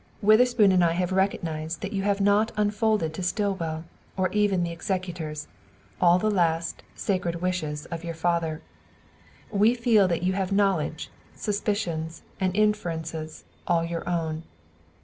"Witherspoon and I have recognized that you have not unfolded to Stillwell, or even the executors, all the last, sacred wishes of your father. We feel that you have knowledge, suspicions, and inferences, all your own.